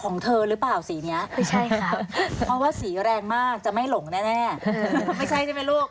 ของเธอรึเปล่าสีเนี้ยเพราะว่าสีแรงมากจะไม่หลงแน่ไม่ใช่ใช่ไหมลูก